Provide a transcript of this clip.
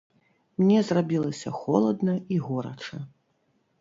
Мне зрабілася холадна і горача.